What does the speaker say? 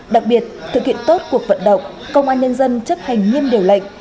đặc biệt thực hiện tốt cuộc vận động công an nhân dân chấp hành nghiêm điều lệnh